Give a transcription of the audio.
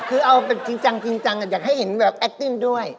คือเอาจริงจังอยากให้เห็นแบบแอคติ้นด้วย